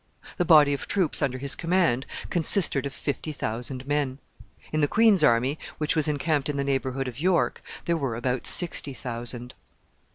The body of troops under his command consisted of fifty thousand men. In the queen's army, which was encamped in the neighborhood of York, there were about sixty thousand.